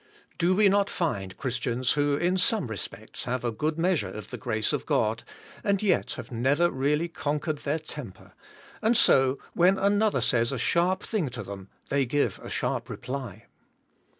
Do we not find Christians who in some respects have a good measure of the grace of God and yet have never really conquered their tem per, and so when another says a sharp thing to them they give a sharp reply?